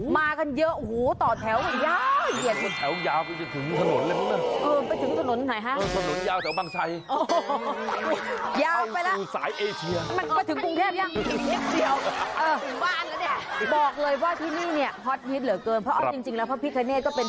อ้อมากันเยอะอ้อต่อแถวเหมือนยาวเย็น